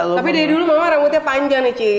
tapi dari dulu memang rambutnya panjang nih cik